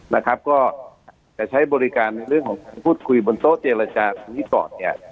นะครับก็จะใช้บริการในเรื่องของการพูดคุยบนโต๊ะเจรจาตรงนี้ก่อนเนี่ย